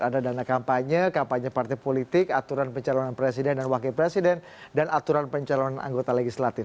ada dana kampanye kampanye partai politik aturan pencalonan presiden dan wakil presiden dan aturan pencalonan anggota legislatif